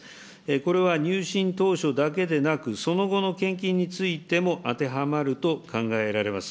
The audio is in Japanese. これは入信当初だけでなく、その後の献金についても当てはまると考えられます。